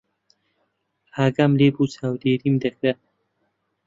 ئاگام لێ بوو چاودێریم دەکرا.